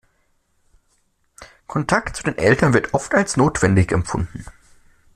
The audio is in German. Kontakt zu den Eltern wird oft als notwendig empfunden.